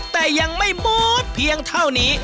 แต่ยังไม่มูดเพียงเท่านี้